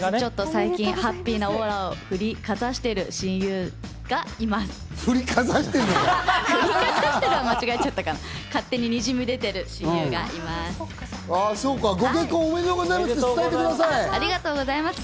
最近ハッピーなオーラを振りかざしている親友がいます。